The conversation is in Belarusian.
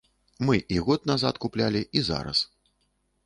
Мы і год назад куплялі, і зараз.